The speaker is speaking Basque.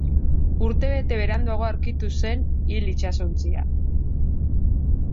Urte bete beranduago aurkitu zen hil itsasontzia.